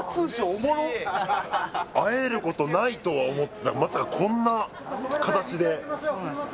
おもろっ会えることないとまさかこんな形でそうなんですよ